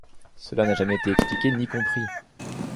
Cela n'a jamais été expliqué ni compris.